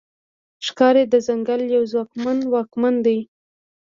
ښکاري د ځنګل یو ځواکمن واکمن دی.